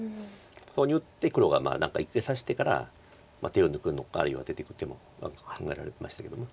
そこに打って黒が何か生きさせてから手を抜くのかあるいは出ていく手も考えられましたけど。